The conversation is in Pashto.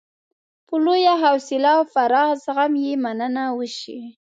په لویه حوصله او پراخ زغم یې مننه وشي.